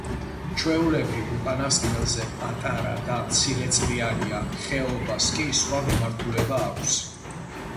ჩვეულებრივ, უკანასკნელზე პატარა და მცირეწყლიანია, ხეობას კი სხვა მიმართულება აქვს.